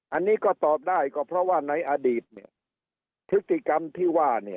อันนี้ก็ตอบได้ก็เพราะว่าในอดีตเนี่ยพฤติกรรมที่ว่าเนี่ย